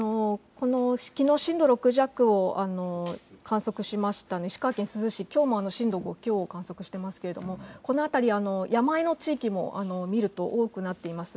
きのう震度６弱を観測しました石川県珠洲市、きょうも震度５強を観測していますけれどもこの辺りは山あいの地域も見ると多くなっています。